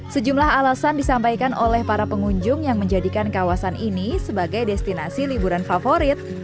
sejumlah alasan disampaikan oleh para pengunjung yang menjadikan kawasan ini sebagai destinasi liburan favorit